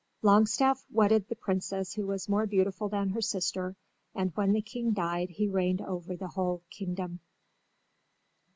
Longstaff wedded the princess who was more beautiful than her sister, and when the king died he reigned over the whole kingdom.